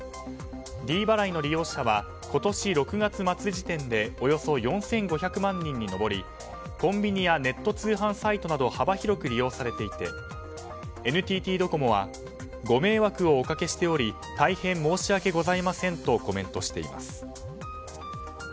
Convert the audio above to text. ｄ払いの利用者は今年６月末時点でおよそ４５００万人に上りコンビニやネット通販サイトなど幅広く利用されていてＮＴＴドコモはご迷惑をおかけしており大変申し訳ございませんとコメントしています。